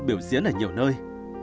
biểu diễn ở nhiều nơi